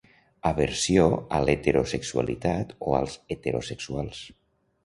Aversió a l’heterosexualitat o als heterosexuals.